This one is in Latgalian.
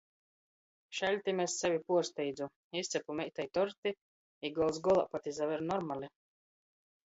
Šaļtim es sevi puorsteidzu. Izcepu meitai torti, i gols golā pat izaver normali.